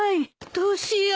どうしよう。